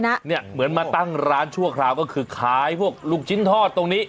เนี่ยเหมือนมาตั้งร้านชั่วคราวก็คือขายพวกลูกชิ้นทอดตรงนี้